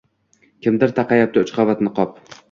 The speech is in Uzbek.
Kimdir taqayapti uch qavat niqob.